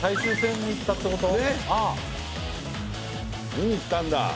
見に行ったんだ。